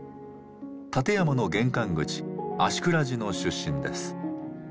立山の玄関口芦峅寺の出身です。